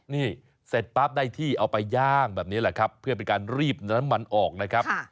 นี่เสร็จปั๊บได้ที่เอาไปย่างแบบนี้แหละครับเพื่อเป็นการรีบน้ำมันออกนะครับ